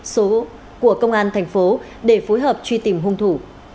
số của công an thành phố để phối hợp truy tìm hung thủ